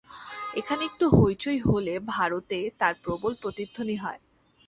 এখানে একটু হইচই হলে ভারতে তার প্রবল প্রতিধ্বনি হয়।